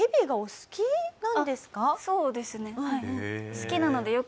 そうですねはい。